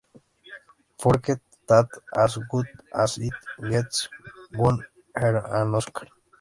Forget that "As Good as It Gets" won her an Oscar.